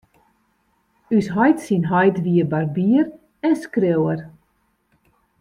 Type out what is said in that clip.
Us heit syn heit wie barbier en skriuwer.